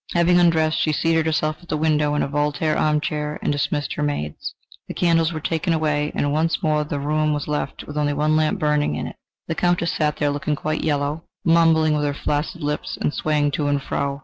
Having undressed, she seated herself at the window in a Voltaire armchair and dismissed her maids. The candles were taken away, and once more the room was left with only one lamp burning in it. The Countess sat there looking quite yellow, mumbling with her flaccid lips and swaying to and fro.